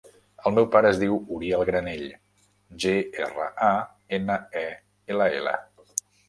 El meu pare es diu Uriel Granell: ge, erra, a, ena, e, ela, ela.